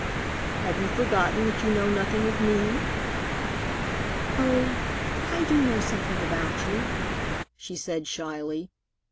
"Have you forgotten that you know nothing of me?" "Oh, I do know something about you," she said shyly.